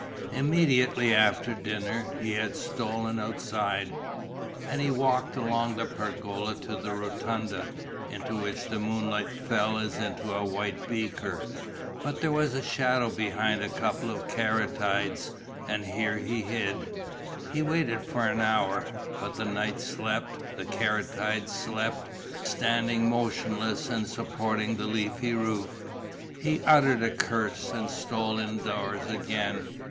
Immediately after dinner, he had stolen outside; and he walked along the pergola to the rotunda, into which the moonlight fell as into a white beaker. But there was shadow behind a couple of caryatides; and here he hid. He waited for an hour. But the night slept, the caryatides slept, standing motionless and supporting the leafy roof. He uttered a curse and stole indoors again.